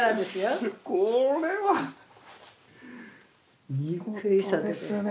これは見事ですね。